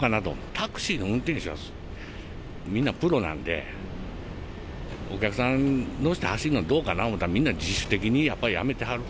タクシーの運転手はみんなプロなんで、お客乗せて走るのはどうかなと思ったら、みんな自主的にやっぱり辞めてはる。